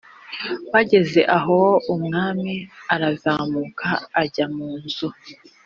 bageze aho umwami arazamuka ajya mu nzu